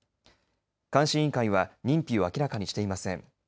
監視委員会は認否を明らかにしていません。